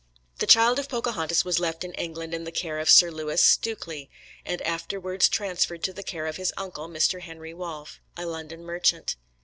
The child of Pocahontas was left in England in the care of Sir Lewis Stewkley, and afterwards transferred to the care of his uncle, Mr. Henry Rolfe, a London merchant.